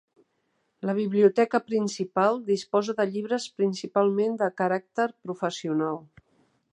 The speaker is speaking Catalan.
La Biblioteca principal disposa de llibres, principalment de caràcter professional.